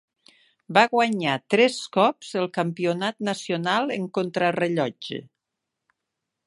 Va guanyar tres cops el Campionat nacional en contrarellotge.